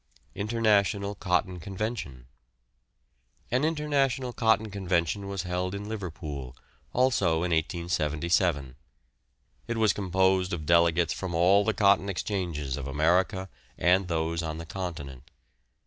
INTERNATIONAL COTTON CONVENTION. An International Cotton Convention was held in Liverpool, also in 1877; it was composed of delegates from all the cotton exchanges of America and those on the Continent.